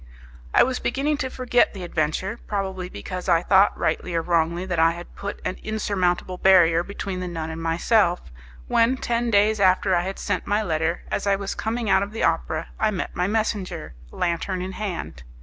I was beginning to forget the adventure, probably because I thought, rightly or wrongly, that I had put an insurmountable barrier between the nun and myself, when, ten days after I had sent my letter, as I was coming out of the opera, I met my messenger, lantern in hand.